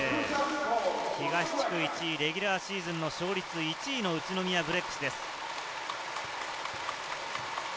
東地区１位、レギュラーシーズンの勝率１位の宇都宮ブレックスです。